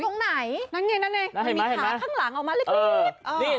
องค์ไหนนั่นไงมันมีคาข้างหลังออกมาเร็ว